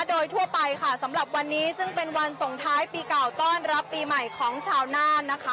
โดยทั่วไปค่ะสำหรับวันนี้ซึ่งเป็นวันส่งท้ายปีเก่าต้อนรับปีใหม่ของชาวน่านนะคะ